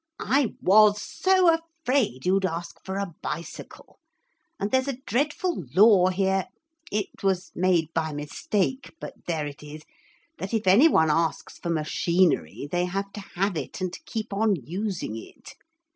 'I was so afraid you'd ask for a bicycle. And there's a dreadful law here it was made by mistake, but there it is that if any one asks for machinery they have to have it and keep on using it.